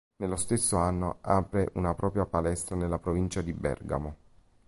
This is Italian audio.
Nello stesso anno apre una propria palestra nella provincia di Bergamo.